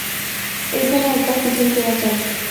এইখানে একবার পিছন ফেরা চাই।